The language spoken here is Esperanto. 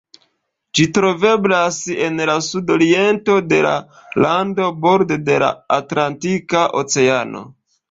Ĝi troveblas en la sudoriento de la lando, borde de la Atlantika Oceano.